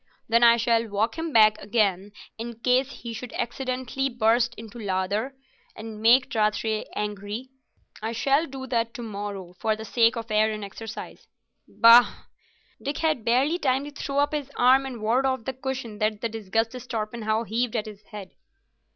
Then I shall walk him back again, in case he should accidentally burst into a lather and make Rathray angry. I shall do that to morrow, for the sake of air and exercise." "Bah!" Dick had barely time to throw up his arm and ward off the cushion that the disgusted Torpenhow heaved at his head.